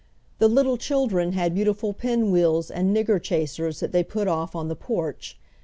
The little children had beautiful pinwheels and "nigger chasers" that they put off on the porch.